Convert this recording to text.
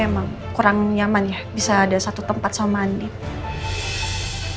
emang kurang nyaman ya bisa ada satu tempat sama mandi